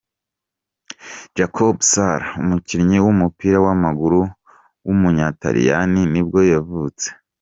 Jacopo Sala, umukinnyi w’umupira w’amaguru w’umutaliyani nibwo yavutse.